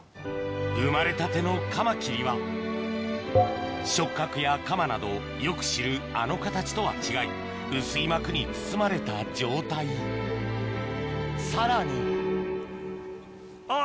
生まれたてのカマキリは触角や鎌などよく知るあの形とは違い薄い膜に包まれた状態さらにあぁ！